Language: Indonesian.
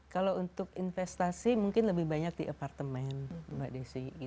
kalau untuk investasi mungkin lebih banyak di apartemen mbak desi